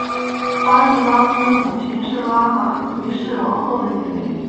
巴育拉翁的母亲是拉玛一世王后的姐妹。